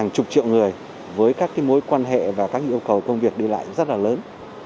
các người với các mối quan hệ và các yêu cầu công việc đi lại rất là lớn